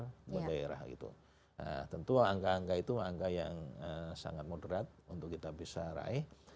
nah tentu angka angka itu angka yang sangat moderat untuk kita bisa raih